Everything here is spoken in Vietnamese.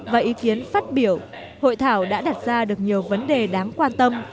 và ý kiến phát biểu hội thảo đã đặt ra được nhiều vấn đề đáng quan tâm